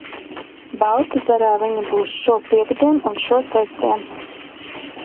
Baltezerā viņi būs šopiektdien un šosestdien.